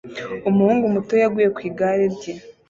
Umuhungu muto yaguye ku igare rye